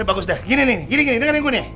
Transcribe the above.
bagus deh gini nih gini nih dengan yang gue nih